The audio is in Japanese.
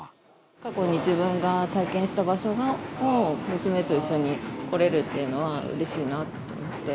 過去に自分が体験した場所を、娘と一緒に来れるというのはうれしいなと思って。